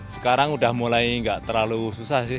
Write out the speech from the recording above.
sekarang sudah mulai tidak terlalu susah sih